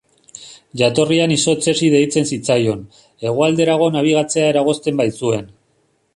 Jatorrian izotz hesi deitzen zitzaion, hegoalderago nabigatzea eragozten baitzuen.